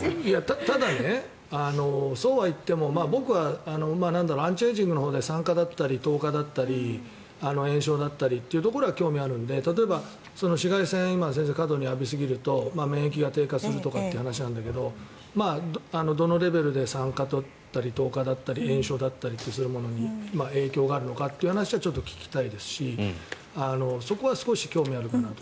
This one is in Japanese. ただ、そうはいっても僕はアンチエイジングのほうで酸化だったり糖化だったり炎症だったりは興味あるので、例えば紫外線今、過度に浴びすぎると免疫が低下するという話なんだけどどのレベルで酸化だったり糖化だったり炎症だったりに影響があるのかという話は聞きたいですしそこは少し興味あるかなと。